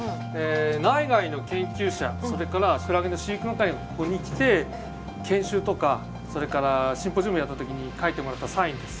内外の研究者それからクラゲの飼育係がここに来て研修とかそれからシンポジウムをやった時に書いてもらったサインです。